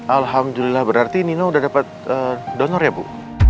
alhamdulillah berarti nino udah dapet donor ya bu